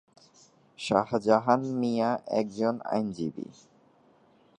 শাহজাহান মিয়া একজন আইনজীবী।